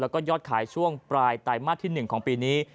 แล้วก็ยอดขายช่วงปลายไตรมาสที่๑ของปีนี้